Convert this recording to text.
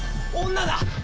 女だ！